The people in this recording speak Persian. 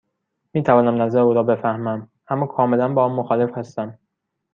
می توانم نظر او را بفهمم، اما کاملا با آن مخالف هستم.